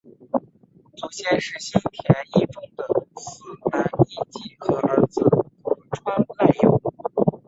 祖先是新田义重的四男义季和儿子得川赖有。